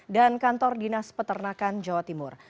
dan kantor dinas peternakan jawa timur